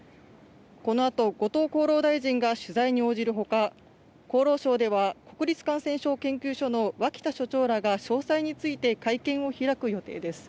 このあと後藤厚労大臣が取材に応じるほか、厚労省では国立感染症研究所の脇田所長らが詳細について会見を開く予定です。